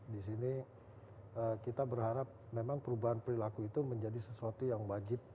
di sini kita berharap memang perubahan perilaku itu menjadi sesuatu yang wajib